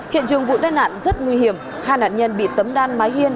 hiện trường vụ tai nạn rất nguy hiểm hai nạn nhân bị tấm đan mái hiên